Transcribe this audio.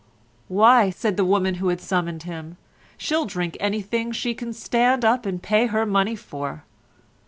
"Why," said the woman who had summoned him, "she'll drink anything she can stand up and pay her money for."